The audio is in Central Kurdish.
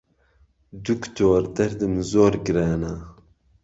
دوکتۆر دەردم زۆر گرانە